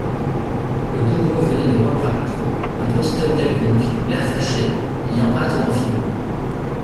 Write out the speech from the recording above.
Le bourreau venait de reparaître, un petit homme quelconque, l'air fâché, ayant hâte d'en finir.